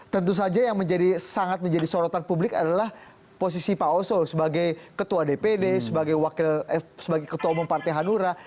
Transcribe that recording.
tentu saja yang menjadi sangat menjadi sorotan publik adalah posisi pak oso sebagai ketua dpd sebagai ketua umum partai hanura